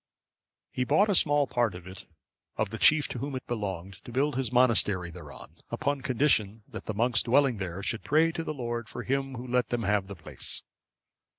(559) He bought a small part of it of the chief to whom it belonged, to build his monastery thereon; upon condition, that the monks dwelling there should pray to the Lord for him who let them have the place.